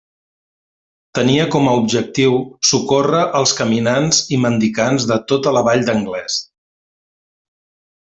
Tenia com a objectiu socórrer als caminants i mendicants de tota la vall d'Anglès.